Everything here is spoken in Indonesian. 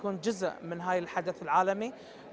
untuk menjadi sebagian dari ksatria ini